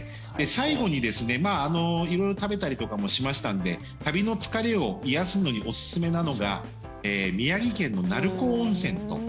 最後に色々食べたりとかもしましたので旅の疲れを癒やすのにおすすめなのが宮城県の鳴子温泉と。